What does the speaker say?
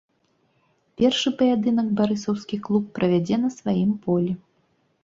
Першы паядынак барысаўскі клуб правядзе на сваім полі.